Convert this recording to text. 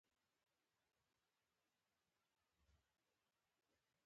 که په یو سرکټ کې د برېښنا شارټي پېښه رامنځته شي.